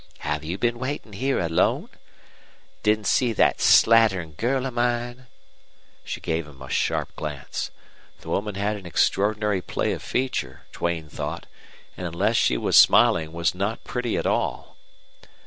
Have you been waiting here alone? Didn't see that slattern girl of mine?" She gave him a sharp glance. The woman had an extraordinary play of feature, Duane thought, and unless she was smiling was not pretty at all.